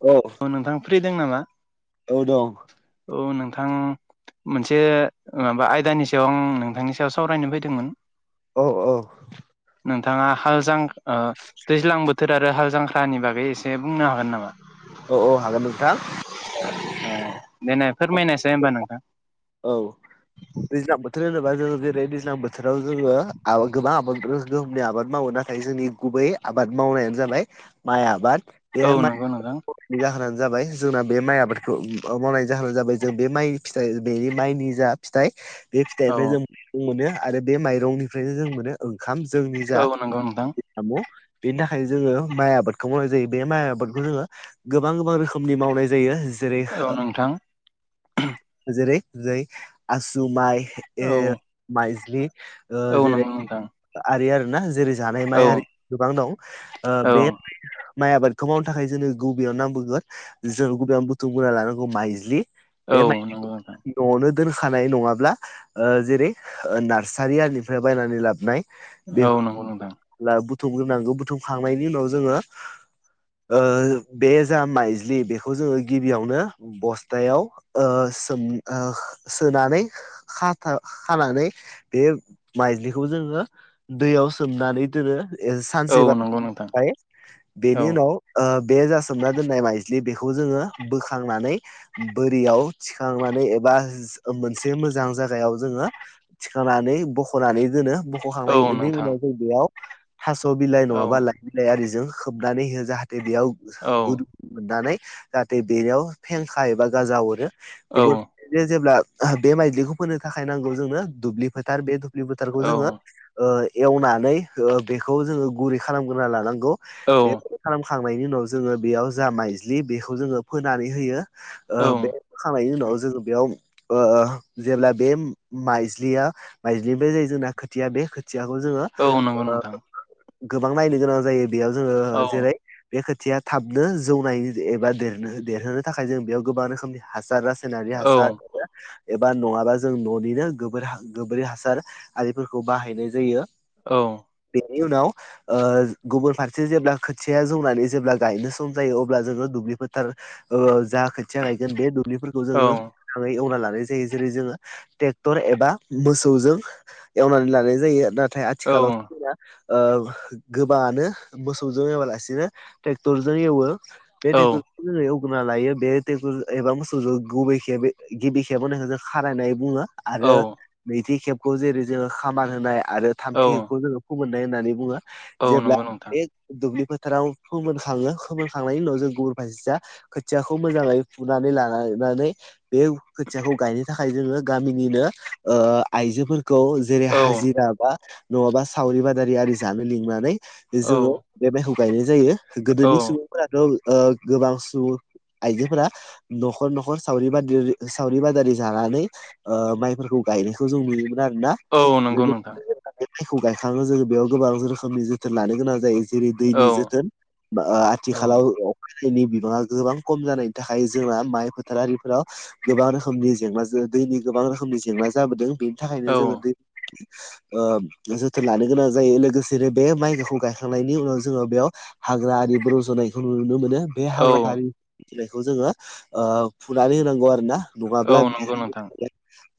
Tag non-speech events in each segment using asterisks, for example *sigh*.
औ नोंथां फ्रि दों नामा? औ दं। औ नोंथां मोनसे माबा आयदानि सायाव आं नोंथांनि सायाव सावरायनो फैदोंमोन। अ अ नोंथाङा हाल जां ओ दैज्लां बो थोर आरो हाल जांख्रानि बागै एसे बुंनो हागोन नामा? औ औ हागोन नोंथां। ए दे फोरमायनायसाय होमबा नोंथां? औ दैज्लां बोथोर होनोबा जोङो जेरै दैज्लां बोथोराव जोङो गोबां आबाद गोहोमनि आबाद मावोना नाथाय जोंनि गुबै आबाद मावनायानो जाबाय माइ आबाद बे औ नंगौ नोंथां माइ जाहोनानो जाबाय जोंना बे माइ आबादखौ मावनायनि जाहोनानो जाबाय बे माइ फिथाइ बेनि माइनि जा फिथाइ बे औ फिथाइनिफ्राय जों मोनो आरो बे माइरंनिफ्रायनो जों मोनो ओंखाम जोंनि जा औ नंगौ नोंथां नांगौ बेनि थाखाय जोङो माइ आबादखौ मावनाय जायो बे माइ आबादखौ जोङो गोबां गोबां रोखोमनि मावनाय जायो जेरै औ नोंथां जेरै जै आसु माइ ए औ माइज्लि ओ औ जेरै नंगौ नोंथां आरि आरोना जेरै जानाय माइ औ आरि गोबां दं ओ औ बे माइ आबादखौ मावनो थाखाय जोनो गुबैयाव नों नांबोगोन जों गुबैयाउनो बुथुम ग्रोना लानांगौ माइज्लि औ बे माइ नंगौ नोंथां न'आवनो दोनखानाय नङाब्ला ओ जेरै नार्सारि आरिनिफ्राय बायनानै लाबोनाय औ नंगौ नोंथां बेफोर बुथुमग्रोनांगौ बुथुमखांनायनि उनाव जोङो ओ बे जा माइज्लि बेखौ जोङो गिबियावनो बस्थायाव ओ सोम ओ सोनानै खाथा खानानै बे माइज्लिखौ जोङो दैयाव सोमनानै दोनो औ सानसेबा नंगौ नोंथां ओमफाय औ बेनि उनाव ओ बे जासोमना दोननाय माइज्लि बेखौ जोङो बोखांनानै बोरियाव थि खांनानै एबा मोनसे मोजां जायगायाव जोङो थिखांनानै बख'नानै दोनो औ बख'खांनायनि नोंथां उनाव जों बेयाव थास' बिलाइ औ नङाबा लाइ बिलाइ आरिजों खोबनानै होयो जाहाथे बेयाव औ गुद मोननानै जाहाथे बेयाव फेंखा एबा गाजा हरो औ गुबुन बे जेब्ला बे माइज्लिखौ फोनो थाखाय नांगौ जोंनो दुब्लि फोथार बे दु ब्लि फोथारखौ औ जोङो ओ एवनानै ओ बेखौ जोङो गुरै खालामग्रोना लानांगौ औ बेबायदि खालामखांनायनि उनाव जोङो बेयाव जा माइज्लि बेखौ जोङो फोनानै होयो ओ औ बे फोखांनायनि उनाव जोङो बेयाव ओ जेब्ला बे माइज्लिया माइज्लिनिफ्राय जायो जोंना खोथिया बे खोथियाखौ जोङो औ नंगौ ओ नोंथां गोबां नायनो गोनां जायो बेयाव जोङो औ जेरै बे खोथिया थाबनो जौनाय एबा देरनो देरहोनो थाखाय जोंङो बेयाव गोबां रोखोमनि हासारास होनानै औ हासार एबा नङाबा जों न'निनो गोबोर गोबोरि हासार आरिफोरखौ बाहायनाय जायो औ बेनि उनाव ओ गुबुन फारसे जेब्ला खोथिया जौनानै जेब्ला गायनो सम जायो अब्ला जोङो दुब्लि फोथार ओ जा खोथिया गायगोन बे दुब्लिफोरखौ जोङो औ मोजाङै एवना लानाय जायो जेरै जोङो ट्रेक्टर एबा मोसौजों एवनानै लानाय जायो नाथाय आथिखालाव जोंना ओ गोबाङानो मोसौजों एवालासिनो ट्रेक्टरजों एवो बे औ ट्रेकटरजों जोङो एवग्रोना लायो बे ट्रेकटर एबा मोसौ सौ गुबै खेब गिबि खेबनायखौ जों खारायनाय बुङो आरो औ नैथि खेबखौ जेरै जोङो खामा होनाय आरो औ थामथि खेबखौ जोङो फुमोननाय होननानै बुङो औ जेब्ला नंगौ नोंथां बे दुब्लि फोथाराव फोमोन खाङो फोमोनखांनायनि उनाव जों गुबुन फारसे जा खोथियाखौ मोजाङै फुनानै लानानै बे खोथियाखौ गायनो थाखाय जोङो गामिनिनो ओ आइजोफोरखौ जेरै औ हाजिरा बा नङाबा सावरि बादारि आरि जानो लिंनानै औ जोङो बे माइखौ गायनाय जायो औ गोदोनि सुबुंफोराथ' गोबां ओ सुबुं आइजोफोरा न'खर न'खर सावरि बाद सावरि बादालि जानानै ओ माइफोरखौ गायनायखौ जों नुयोमोन आरो ना औ नंगौ नोंथां लोगोसे माइखौ गायखाङो जोङो बेयाव गोबां रोखोमनि जोथोन लानो गोनां जायो जेरै औ दैनि जोथोन औ आथिखालाव अखा दैनि बिबाङा गोबां खम जानायनि थाखाय जोंना माइ फोथारारिफोराव गोबां रोखोमनि जेंना दैनि गोबां रोखोमनि जेंना जाबोदों औ थाखायनो जोङो दै ओ जोथोन लानो गोनां जायो लोगोसेनो बे माइखौखौ गायखांनायनि उनाव जोङो बेयाव हाग्रा आरिबो रज'नायखौ नुनो मोनो बे औ हाग्रा आरि रजनायखौ जोङो फुनानै होनांगौ आरो ना औ नङाब्ला नंगौ बियो नोंथां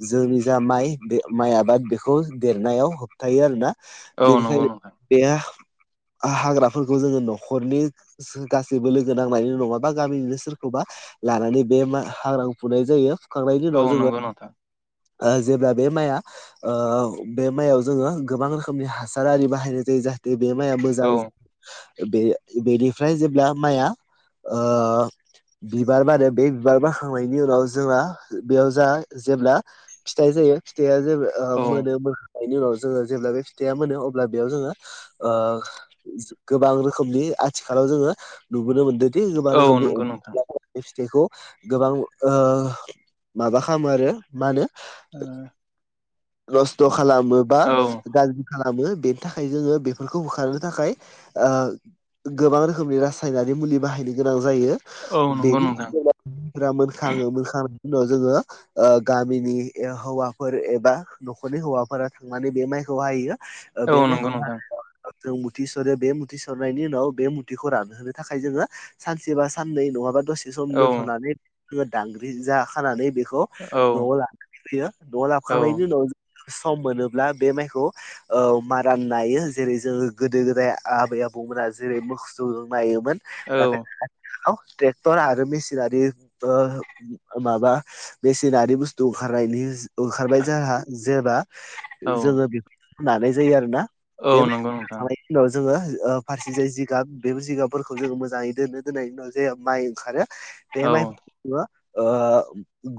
जोंनि जा माइ बे माइ आबाद बेखौ देरनायाव होबथायो आरो ना औ नंगौ बेनिखायनो नोंथां बे हाग्राफोरखौ जोंङो न'खरनि गासैबो लोगो नांनायनि नङा बा गामिनिनो सोरखौबा लानानै बे मा हाग्राखौ फुनाय जायो फुखांनायनि औ उनाव जोङो नंगौ नोंथां ओ जेब्ला बे माइआ ओ बे माइयाव जोङो गोबां रोखोमनि हासार आरि बाहायनाय जायो जाहाथे दे बे माइआ औ मोजां बे बेनिफ्राय जेब्ला माइआ बिबार बारो बे बिबार बारखांनायनि उनाव जोंहा बेयाव जा जेब्ला फिथाइ जायो फिथाइआ जेबो औ मोनो ओ बेनि उनाव जोङो जेब्ला बे फिथाइया मोनो अब्ला बेयाव जोङो ओ गोबां रोखोमनि आथिखालाव जोङो नुबोनो मोनदोंदि गोबां औ रोखोमनि नंगौ नोंथां बे फिथाइखौ गोबां ओ माबा खालामो आरो मा होनो ओ नस्थ' खालामो बा औ गाज्रि खालामो बेनि थाखाय जोङो बेफोरखौ होखारनो थाखाय ओ गोबां रोखोमनि रासायनारि मुलि बाहायनो गोनां जायो औ नंगौ बेनि नोंथां उनाव *unintelligible* मोनखांयो मोनखांनायनि उनाव जोङो ओ गामिनि हौवाफोर एबा न'खरनि हौवाफोरा थांनानै बे माइखौ हायो औ बे नंगौ माइखौ नोंथां हानायाव जों मुथि सुरो बे मुथि सुरनायनि उनाव बे मुथिखौ रानहोनो थाखाय जोङो सानसेबा साननै नङाबा से सम औ दोन्थ'नानै जोङो दांग्रि जाखानानै बेखौ औ न'आव लांयो फैयो न'आव औ लाबोखांनायनि उनाव सम मोनोब्ला बे माइखौ औ मारा नायो जेरै जोङो गोदो गोदाय आबै आबौमोनहा जेरै मोसौजों नायोमोन। नाथाय *unintelligible* टर आरो मेसिनारि ओ माबा मेसिनारि बुस्थु ओंखारनायनि ओंखारबाय जाहा जेब्ला औ जोङो बेफोरजों नानाय जायो आरो ना। औ बे नंगौ नोंथां खांनायनि उनाव जोङो ओ फारसे जाय जिगाब बे जिगाबफोरखौ जोङो मोजाङै दोननो दोननायनि उनाव जे माइ खारो बे औ माय ओ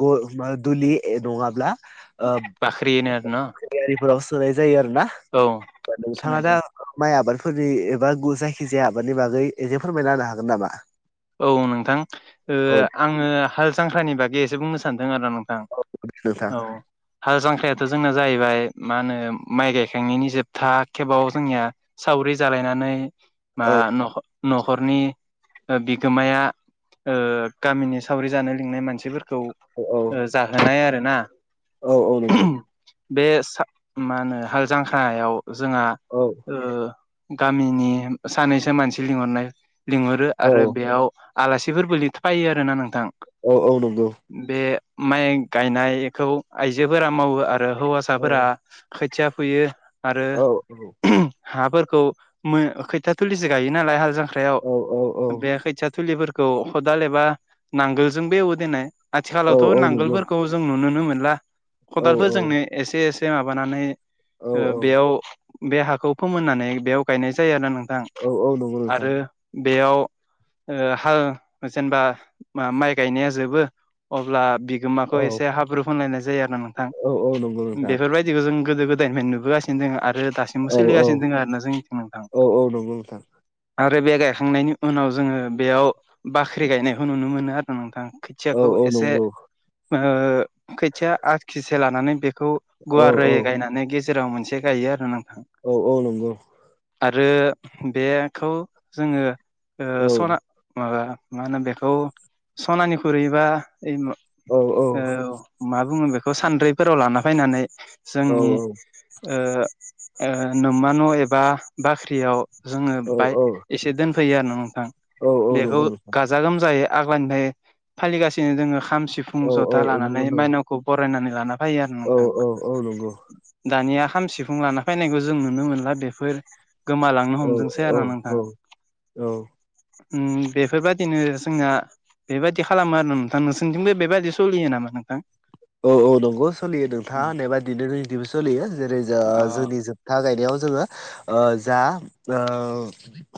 ग दुलि नङाब्ला बाख्रि होनो आरो न'? आरिफोराव सोनाय जायो आरो ना। औ नोंथाङा सोनाय जायो दा माइ आबादफोरनि एबा गु जायखि जाया आबादनि बागै एसे फोरमायना होनो हागोन नामा? औ नोंथां ओ औ दे आङो ओ हाल जंख्रानि बागै एसे बुंनो सानदों आरो ना नों थां नोंथां औ। हाल जांख्रायाथ' जोंनिया जाहैबाय मा होनो माइ गायखांनायनि जोबथा खेबाव जोंनिया सावरि जालायनानै मा औ नख न'खरनि ओ बिगोमाया ओ गामिनि सावरि जानाय लिंनाय मानसिफोरखौ औ ओ। जाहोनाय आरो ना। औ औ नंगौ। बे सा माहोनो हाल जांख्रायाव जोंहा। औ। ओ गामिनि सानैसो मानसि लिंहरनाय लिंहरो औ आरो बे याव आलासिफोरबो लिर फायो आरोना नोंथां। औ औ नंगौ। बे माइ गायनायखौ आयजोफोरा मावो आरो औ हौवासाफोरा। खोथिया फोयो आरो‌। औ औ हाफोरखौ मो खैथिया थिलिसो गायो नालाय हाल जांख्रायाव। औ औ। बे खैथिया थुलिफोरखौ खदाल एबा नांगोलजोंबो एवो देनाय। औ आथिखालावथ' औ नंगौ नांगोलफोरखौ जों नुुनोनो मोनला औ खदालफोरजोंनो एसे एसे माबानानै। औ ओ औ बेयाव बे हाखौ फोमोननानै बेयाव गायनाय जायो आरोना नोंथां। औ औ नंगौ नोंथां आरो बेयाव। ओ हाल जेनेबा माइ गायनाया जोबो अब्ला बि औ गोमाखौ एसे हाब्रु फोनलायनाय जायो आरो ना नोंथां औ औ नंगौ नोंथां बेफोरबाय दिखौ जों गोदो गोदायनिफ्राय नुबोगासिनो दङ आरो दासि औ औ सोलिगासिनो दङ आरो ना जोंनिथिं नोंथां। औ औ नंगौ नोंथां आरो बे गायखांनायनि उनाव जोङो बेयाव बाख्रि गायनायखौ नुनो मोनो आरो नोंथां। औ खोथियाखौ औ एसे नंगौ ओ खोथिया आखथिसे लानानै बेखौ। औ गुवारै औ गायनानै गेजेराव मोनसे गायो आरो नोंथां। औ औ नंगौ। आरो बेखौ जोङो ओ औ सना। माबा मा होनो बेखौ सनानि खुरैबा ओइ मा औ औ। औ मा बुङो बेखौ सान्द्रैफोराव लाना फैनानै औ जोंनि। ओ ओ नमा न' एबा बाख्रियाव जोङो बाय एसे दोनफैयो आरो ना नोंथां औ औ बेखौ नंगौ नोंथां गाजा गोमजायै। आग्लानिफ्राय फालिगासिनो जोङो खाम सिफुं औ जथा औ लानानै नंगौ माइनाव। खौ बरायनानै लाना फैयो आरो औ औ नंगौ नोंथां। दानिया खाम सिफुं लाना फैनायखौ जों नुनो मोनला बेफोर गोमालांनो औ हमदोंसै आरो नोंथां। औ औ। उम बेफोरबादिनो जोंनिया। बेबायदि खालामो आरो नोंथां नोंसोरनिथिंबो बेबायदि सोलियो नामा नोंथां। औ औ नंगौ सोलियो नोंथाङा होनना दिनोदिनो जोंनिथिंबो सोलियो जेरै जा अ जोंनि। था गायनायाव जोङो ओ जा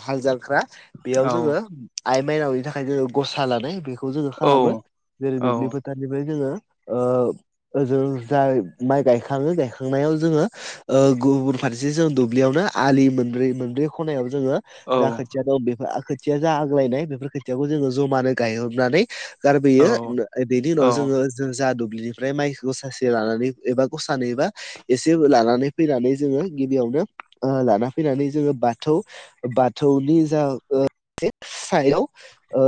हाल जालख्रा। बेयाव औ जोङो आइ माइनावनि थाखाय जोङो गसा लानाय बे। खौ जोङो औ खालामो जेरै दुब्लि औ फोथारनिफ्राय जोङो ओ। ओजों जाय माइ गायखांओ गायखांनायाव जोङो। ओ गुबुन फारसे जों दुब्लियावनो आलि मोनब्रै मोनब्रै खनायाव जोङो। जा औ खोथिया दं बेफोर खोथिया जा आग्लायनाय बेफोर खोथियाखौ जोङो जमानो गायहरनानै। औ गारबोयो बेनि उनाव औ जोङो। जों जा दुब्लिनिफ्राय मायखौ गासासे लानानै एबा गसानैबा। एसे लानानै फैनानै जोङो गिबियावनो ओ लाना फैनानै जोङो बाथौ। बाथौनि जा ओ सायाव ओ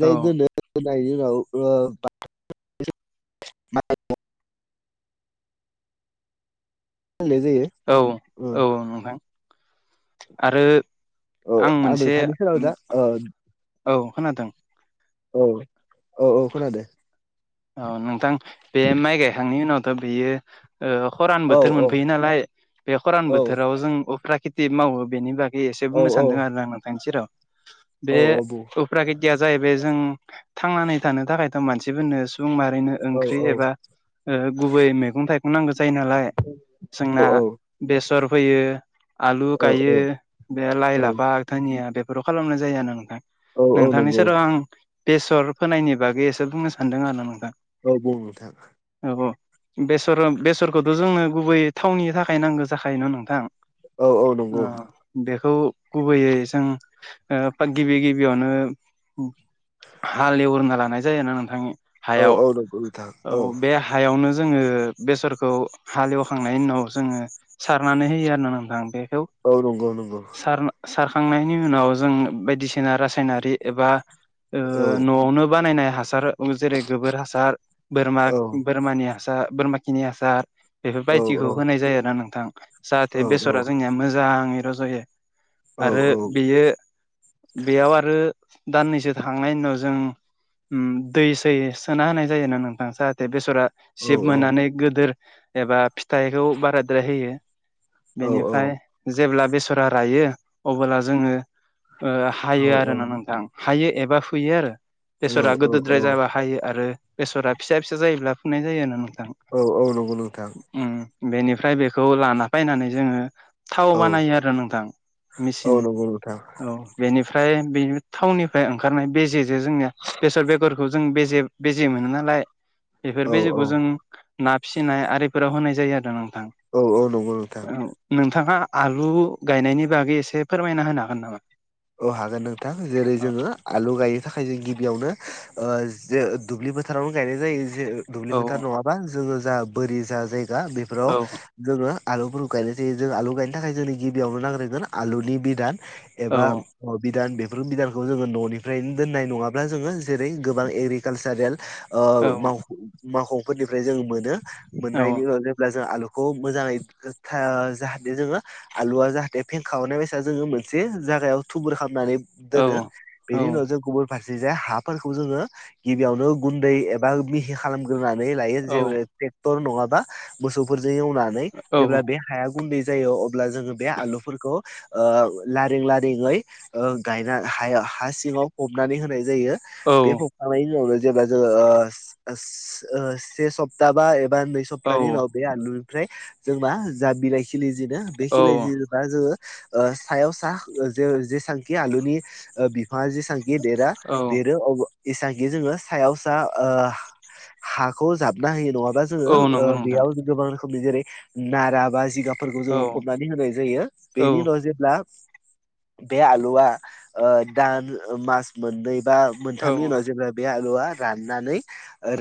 औ दोनो। दोनायनि उनाव ओ बा। *unintelligible* फाननाय जायो। औ ओ औ नोंथां। आरो औ आं मोनसे नोंथांनि सेराव दा औ औ खोनादों। औ औ औ खोनादों‌ औ नोंथां बे माइ गायखांनायनि उनावथ' बेयो। ओ खरान औ बोथोर औ मोनफैयो नालाय बे खरान औ बोथोराव जों उफ्रा खेति मावो बेनि बागै। एसे औ बुंनो सानदों आरो आं नोंथांनि सेराव बे औ औ बुं उफ्रा खेतिया जाहैबाय जों थांनानै थानो थाखायथ' मानसिफोरनो‌ उम मारैनो औ ओंख्रि एबा गुबै मैगं थाइगं नांगौ जायो नालाय। जोंना औ बेसर फोयो आलु गायो बे लाइ औ लाफा। दानिया बेफोराव खालामनाय जायो आरो नोंथां औ औ नोंथांनि नंगौ सेराव आं। बेसर फोनायनि बागै एसो बुंनो सानदों आरो ना नोंथां औ बुं नोंथाङा‌। औ बेसर बेसरखौथ' जोंनो गुबै थावनि थाखाय नांगौ जाखायो न' नोंथां। औ औ अ। नंगौ बेखौ गुबैयै जों गिबि गिबियावनो। हाल एवग्रोना लानाय जायोना नोंथांनि औ हायाव औ नंगौ नोंथां औ बे। हायावनो जोङो बेसरखौ हालेवखांनायनि जोङो। सारनानै होयो आरो ना नोंथां बेखौ। औ नंगौ नंगौ। सारखांनायनि उनाव जों बायदिसिना रासायनारि एबा औ न'आवनो बानायनाय हासार। जेरै गोबोर हासार बोरमा औ बोरमानि हासार बोरम खिनि हासार औ बेफोरबायदिखौ होनाय जायो आरो ना नोंथां जाहाथे औ बेसरा जोंनिया मोजाङै रज'यो। औ आरो बेयो बेयाव आरो दान्नैसो थांनायनि उनाव जों दै सै सोना होनाय जायोना नोंथां जाहाथे बेसरा औ जिब मोननानै गोदोर एबा फिथाइखौ बाराद्राय होयो औ बेनिफ्राय जेब्ला बेसरा रायो अबोला जोङो हायो आरोना नोंथां हायो एबा फुयो आरो बेसरा औ गोदोद्राय औ जाबा हायो आरो बेसरा फिसा फिसा जायोब्ला फुनाय जायो आरोना नोंथां औ औ नंगौ नोंथां उम बेनिफ्राय बेखौ लाना फायनानै जोङो थाव औ बानायो आरो नोंथां औ मेसिन नंगौ नोंथां औ बेनिफ्राय बेनि थावननिफ्राय ओंखारनाय बेेजेजो जोंनिया बेसर बेगरखौ जों बेजे बेजे मोनो नालाय बेफोर औ औ बेजेखौ जों ना फिसिनाय आरिफोराव होनाय जायो आरो नोंथां औ औ नंगौ नोंथां औ नोंथाङा आलु गायनायनि बागै एसे फोरमायना होनो हागोन नामा औ हागोन नोंथां जेरै औ जोङो आलु गायनो थाखाय जों गिबियावनो ओ जे दुब्लि बोथोरावनो गायनाय जायो जे ओ दुब्लि औ फोथार नङाबा जोङो जा बोरि जा जायगा औ बेफोराव जोङो आलुफोरखौ गायनाय जायो जों आलु गायनो थाखाय गिबियावनो नांग्रोगोन आलुनि बिदान औ एबा अ बिदान बेफोर बिदानखौ जोङो न'निफ्रायनो दोननाय नङाब्ला जोङो जेरै गोबां एग्रिकालसारेल ओ मावख' मावख'फोरनिफ्राय जों मोनो औ मोननायनि उनाव जेब्ला जों आलु खौ मोजाङै गो खा जाहाथे जोङो आलुआ जाहाथे फेंखा अरनाय बायसा जोङो मोनसे जागायाव थुबुर खालामनानै औ दोनो औ बेनि उनाव जों गुबुन फारसे जा हाफोरखौ जोङो गिबियावनो गुन्दै एबा मिहि खालामग्रोनानै लायो जे ट्रेक्टर नङाबा मोसौफोरजों एवनानै औ जेब्ला बे हाया गुन्दै जायो अब्ला जोङो बे आलुफोरखौ ओ लारिें लारिेंयै ओ गायना हाया हा सिङाव फबनानै होनाय जायो बे औ फबखांनायनि उनावनो जेब्ला जोंङो ओ से सप्ता बा एबा नै स औ सप्तानि उनाव बे आलुनिफ्राय जों मा जा बिलाइ खिलि जिनो बे खिलि जे बा जोङो ओ सायाव सा जे जेसांखि आलुनि ओ बिफ ङा जेसांखि देरा औ देरो अब जेसांखि जोङो सायाव सा ओ हाखौ जाबना होयो नङा बा औ जोंङो ओ नंगौ नोंथां बेयाव गोबां रोखोमनि जेरै नारा बा जिगाबफोरखौ औ जोङो फबनानै होनाय जायो औ बेनि उनाव जेब्ला बे आलुआ ओ दान मास मोननै बा मोनथामनि औ उनाव जेब्ला बे आलुआ राननानै ओ